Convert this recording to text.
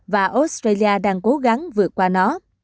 và australia đang cố gắng vượt qua nó